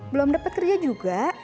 belum dapet kerja juga